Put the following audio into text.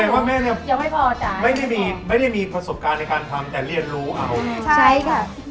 แสดงว่าแม่เนี่ยไม่ได้มีไม่ได้มีประสบการณ์ในการทำแต่เรียนรู้เอาใช่ค่ะ